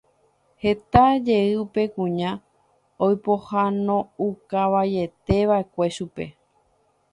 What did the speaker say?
Heta jey upe kuña oipohãnoukavaieteva'ekue chupe.